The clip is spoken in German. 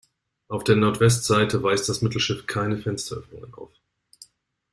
Auf der Nordwestseite weist das Mittelschiff keine Fensteröffnungen auf.